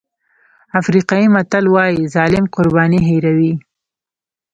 افریقایي متل وایي ظالم قرباني هېروي.